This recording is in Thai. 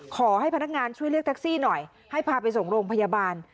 ขอให้พนักงานช่วยเรียกแท็กซี่หน่อยให้พาไปส่งโรงพยาบาล